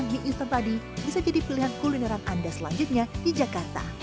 mie instan tadi bisa jadi pilihan kulineran anda selanjutnya di jakarta